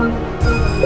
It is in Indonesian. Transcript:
aku tuh takut